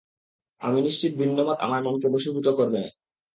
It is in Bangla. আমি নিশ্চিত ভিন্নমত আমার মনকে বসিভুত করবে না।